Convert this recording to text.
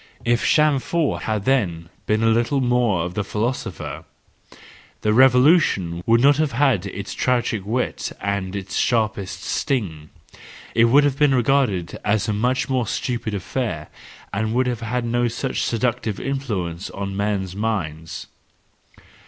—If Chamfort had then been a little more of the philosopher, the Revolution would not have had its tragic wit and its sharpest sting; it would have been regarded as a much more stupid affair, and would have had no such seductive influence on men's minds.